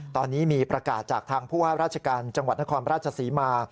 ตอนนี้มีประกาศจากทางผู้ว่าราชการจังหวัดนครราชศรีมา